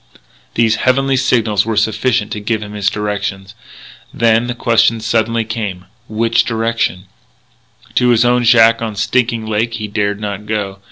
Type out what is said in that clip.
These heavenly signals were sufficient to give him his directions. Then the question suddenly came, which direction? To his own shack on Stinking Lake he dared not go.